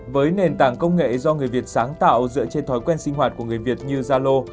với nền tảng công nghệ do người việt sáng tạo dựa trên thói quen sinh hoạt của người việt như zalo